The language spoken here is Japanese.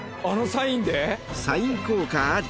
サイン効果あり。